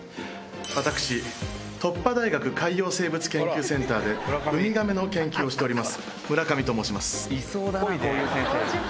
私、突破大学海洋生物研究センターで、ウミガメの研究をしております、いそうだな、こういう先生。